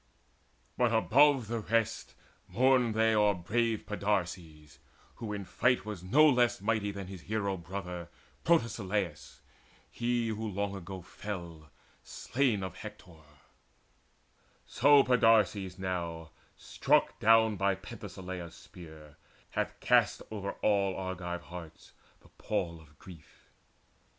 But above the rest Mourned they o'er brave Podarces, who in fight Was no less mighty than his hero brother Protesilaus, he who long ago Fell, slain of Hector: so Podarces now, Struck down by Penthesileia's spear, hath cast Over all Argive hearts the pall of grief.